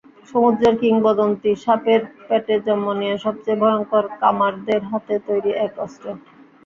সমুদ্রের কিংবদন্তী সাপের পেটে জন্ম নেয়া সবচেয়ে ভয়ংকর কামারদের হাতে তৈরি এক অস্ত্র।